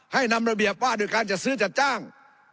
นำระเบียบว่าโดยการจัดซื้อจัดจ้าง